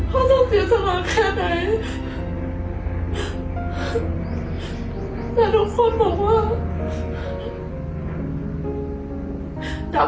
ไม่ค่อยจะเกิดอะไรอ่ะ